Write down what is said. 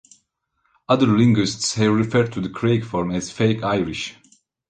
Other linguists have referred to the "craic" form as "fake Irish".